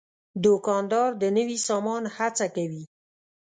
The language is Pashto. دوکاندار د نوي سامان هڅه کوي.